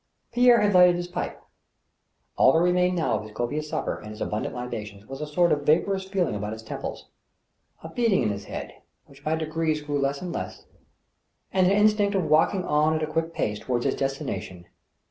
Pierre had lighted his pipe. All that remained now of his copi ous supper and his abundant libations was a sort of vaporous feeling about his temples, a beating in his head, which by degrees grew less and less, and an instinct of walking on at a quick pace toward his destination.